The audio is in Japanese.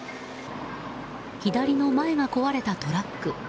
左の前が壊れたトラック。